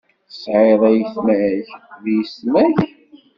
Tesɛiḍ ayetma-k d yisetma-k?